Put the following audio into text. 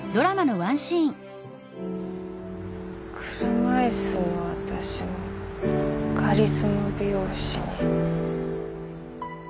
車いすの私もカリマス美容師に。